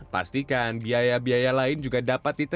pastikan biaya biaya lain juga dapat diterima